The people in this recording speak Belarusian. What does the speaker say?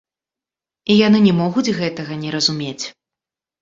І яны не могуць гэтага не разумець.